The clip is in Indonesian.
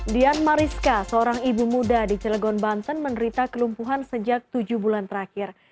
dian mariska seorang ibu muda di cilegon banten menderita kelumpuhan sejak tujuh bulan terakhir